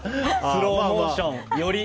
スローモーション、寄り。